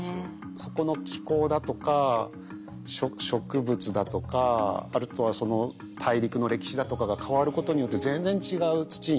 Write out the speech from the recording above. そこの気候だとか植物だとかあとはその大陸の歴史だとかが変わることによって全然違う土になっちゃって。